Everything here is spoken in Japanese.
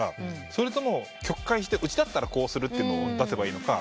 それとも曲解してうちだったらこうするというのを出せばいいのか？